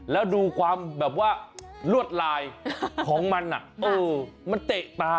แล้วดูความแบบว่าลวดลายของมันมันเตะตา